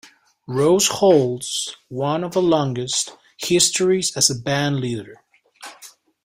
Rose holds one of the longest histories as a band leader.